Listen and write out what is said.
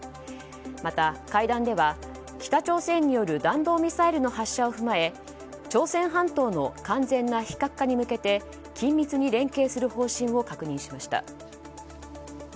また、会談では北朝鮮による弾道ミサイルの発射を踏まえ朝鮮半島の完全な非核化に向けて緊密に連携する方針を確認しました。